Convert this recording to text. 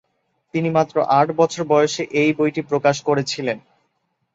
তিনি মাত্র আট বছর বয়সে এই বইটি প্রকাশ করেছিলেন।